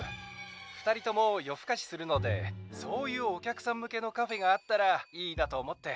２人とも夜ふかしするのでそういうお客さん向けのカフェがあったらいいなと思って」。